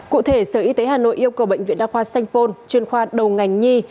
cụ thể sở y tế hà nội yêu cầu bệnh viện đa khoa sanh pôn chuyên khoa đầu ngành nhi